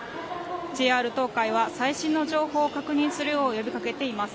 ＪＲ東海は最新の情報を確認するよう呼びかけています。